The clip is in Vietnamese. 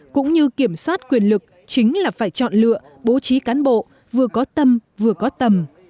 cũng như kiểm soát quyền lực chính là phải chọn lựa bố trí cán bộ vừa có tâm vừa có tầm